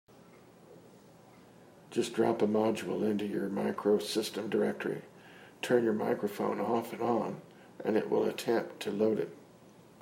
Just drop a module into your MacroSystem directory, turn your microphone off and on, and it will attempt to load it.